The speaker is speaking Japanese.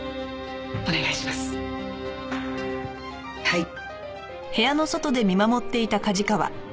はい。